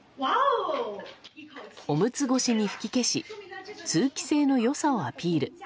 おむつ越しに吹き消し通気性の良さをアピール。